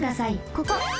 ここ！